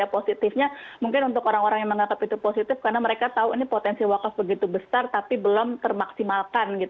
positifnya mungkin untuk orang orang yang menganggap itu positif karena mereka tahu ini potensi wakaf begitu besar tapi belum termaksimalkan